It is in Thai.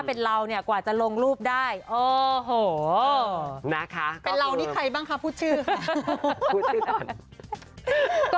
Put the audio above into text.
เป็นเรานี่ใครบ้างคะพูดชื่อค่ะ